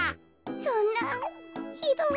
そんなひどい。